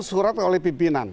itu surat oleh pimpinan